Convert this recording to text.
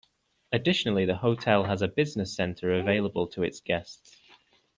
Additionally, the hotel has a Business Center available to its guests.